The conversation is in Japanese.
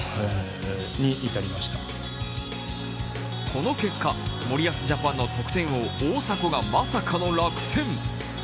この結果、森保ジャパンの得点王、大迫がまさかの落選。